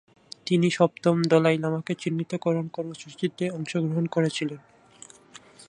তিনি সপ্তম দলাই লামাকে চিহ্নিতকরণ কর্মসূচীতে অংশগ্রহণ করেছিলেন।